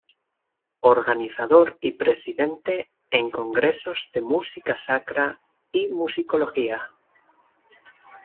Organizador y presidente en congresos de música sacra y musicología.